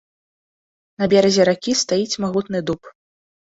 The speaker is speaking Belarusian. На беразе ракі стаіць магутны дуб.